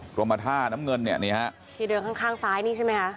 กรมท่าน้ำเงินเนี่ยนี่ฮะที่เดินข้างข้างซ้ายนี่ใช่ไหมคะ